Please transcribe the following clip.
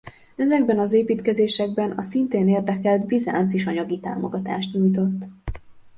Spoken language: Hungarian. Ezekben az építkezésekben a szintén érdekelt Bizánc is anyagi támogatást nyújtott.